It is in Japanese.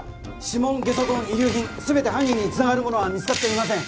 ・指紋げそ痕遺留品すべて犯人につながるものは見つかっていません・